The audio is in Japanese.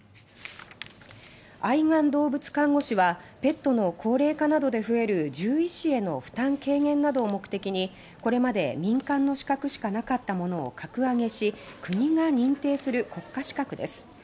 愛玩動物看護師はペットの高齢化などで増える獣医師への負担軽減などを目的にこれまで民間の資格しかなかったものを格上げし国が認定する国家資格です。